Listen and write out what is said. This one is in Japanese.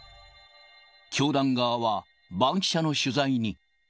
教団側は、バンキシャの取材に。